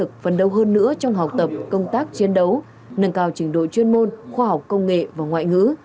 nỗ lực hơn nữa trong học tập công tác chiến đấu nâng cao trình độ chuyên môn khoa học công nghệ và ngoại ngữ